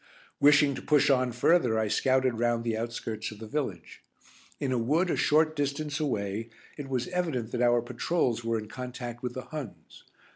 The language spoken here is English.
Wishing to push on further I scouted round the outskirts of the village. In a wood a short distance away it was evident that our patrols were in contact with the Huns.